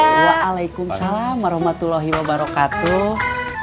waalaikumsalam warahmatullahi wabarakatuh